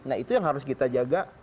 nah itu yang harus kita jaga